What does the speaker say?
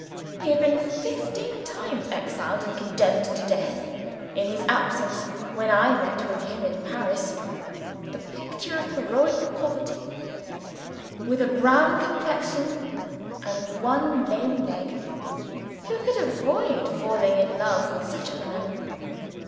He had been fifteen times exiled, and condemned to death in his absence, when I met with him in Paris the picture of heroic poverty, with a brown complexion and one lame leg. Who could avoid falling in love with such a man?